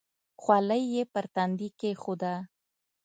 خولۍ یې پر تندي کېښوده.